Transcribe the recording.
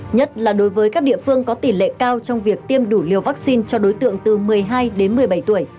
nhất là đối với các địa phương có tỷ lệ cao trong việc tiêm đủ liều vaccine cho đối tượng từ một mươi hai đến một mươi bảy tuổi